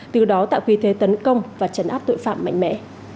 từ đó tạo quy thế tấn công và trấn áp tội phạm mạnh mẽ